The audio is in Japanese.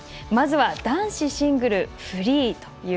まずは男子シングルフリー。